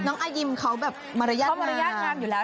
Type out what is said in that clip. น้องอายิมเขาเหมือนว่าได้มารยาทงาม